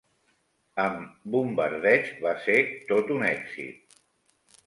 Em bombardeig va ser tot un èxit.